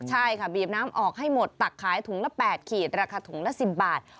ใช่ค่ะบีบน้ำออกให้หมดตักขายถุงละ๘ขีดราคาถุงละ๑๐บาท